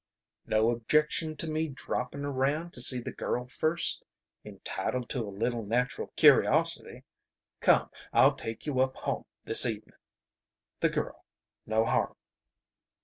"No objection to me droppin' around to see the girl first? Entitled to a little natural curiosity. Come, I'll take you up home this evenin'. The girl. No harm."